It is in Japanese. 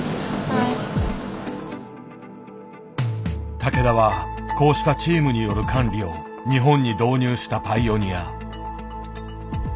竹田はこうしたチームによる管理を日本に導入したパイオニア。